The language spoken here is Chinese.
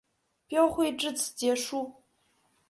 标会至此结束。